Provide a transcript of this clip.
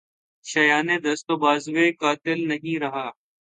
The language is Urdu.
شایانِ دست و بازوےٴ قاتل نہیں رہا